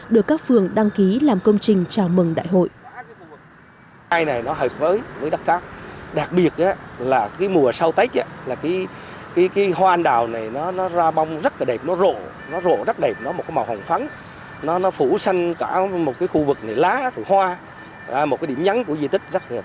được các phường đăng ký làm công trình chào mừng đại hội